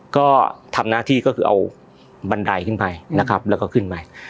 ก็ทำหน้าที่ก็คือเอาบันไดขึ้นไปนะครับแล้วก็ขึ้นไป